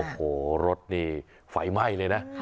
โอ้โหรถนี่ไฟไหม้เลยนะ